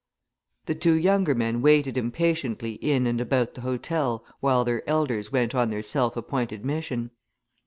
The two younger men waited impatiently in and about the hotel while their elders went on their self appointed mission.